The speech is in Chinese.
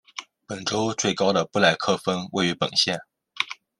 本州最高的布莱克峰位于本县。